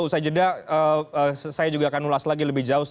usai jeda saya juga akan ulas lagi lebih jauh